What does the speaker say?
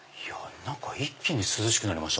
一気に涼しくなりました